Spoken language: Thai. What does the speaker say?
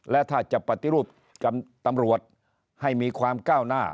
และถ้าจะปฏิรูปกับตำรวจให้มีความก้าวหน้า